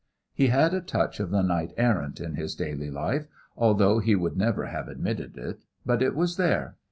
He had a touch of the knight errant in his daily life, although he would never have admitted it; but it was there.